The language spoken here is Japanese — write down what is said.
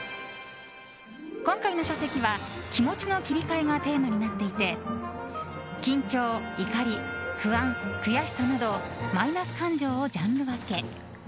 今回の書籍は気持ちの切り替えがテーマになっていて緊張、怒り、不安、悔しさなどマイナス感情をジャンル分け。